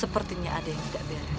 sepertinya ada yang tidak beres